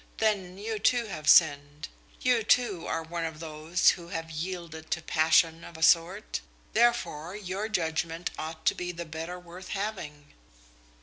Then you, too, have sinned. You, too, are one of those who have yielded to passion of a sort. Therefore, your judgment ought to be the better worth having."